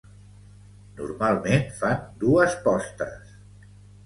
Normalment fan dues postes.